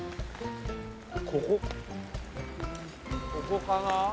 ここかな？